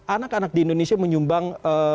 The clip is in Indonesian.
anak anak di indonesia menyumbang